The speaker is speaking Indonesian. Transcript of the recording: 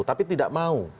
tapi tidak mau